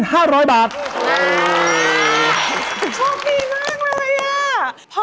ชอบดีมากเลยอะ